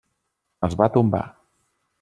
Es va tombar.